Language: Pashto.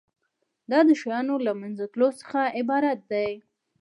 دا د شیانو له منځه تلو څخه عبارت دی.